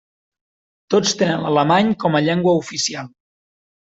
Tots tenen l'alemany com a llengua oficial.